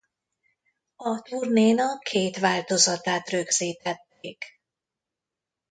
A turnénak két változatát rögzítették.